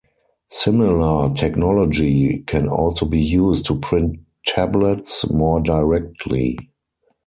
Similar technology can also be used to print tablets, more directly.